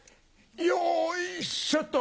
よいしょっと！